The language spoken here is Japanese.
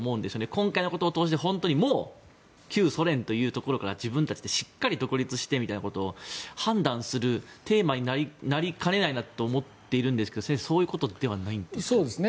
今回のことをとおして旧ソ連というところから自分たちがしっかり独立してみたいなことを判断するテーマになりかねないなと思っているんですが先生、そういうことではないんですか？